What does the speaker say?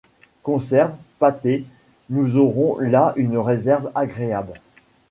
Conserves, pâtés, nous aurons là une réserve agréable